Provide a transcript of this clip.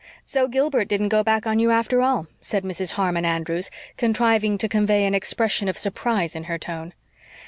"So Gilbert didn't go back on you after all," said Mrs. Harmon Andrews, contriving to convey an expression of surprise in her tone.